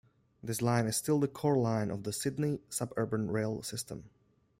This line is still the core line of the Sydney suburban rail system.